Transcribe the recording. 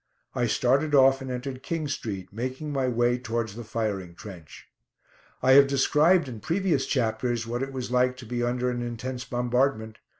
I started off and entered King Street, making my way towards the firing trench. I have described in previous chapters what it was like to be under an intense bombardment.